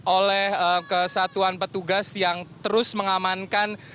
oleh kesatuan petugas yang terus mengamankan